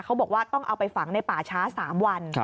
เขาบอกว่าต้องเอาไปฝังในป่าช้า๓วัน